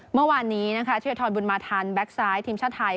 เมื่อวานนี้ธรรมบุญมาธันทร์แบ็กซ้ายทีมชาติไทย